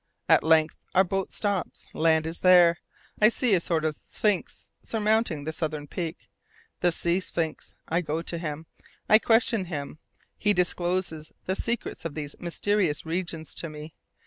At length our boat stops. Land is there. I see a sort of sphinx surmounting the southern peak the sea sphinx. I go to him. I question him. He discloses the secrets of these mysterious regions to me.